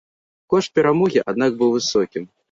Кошт перамогі, аднак, быў высокім.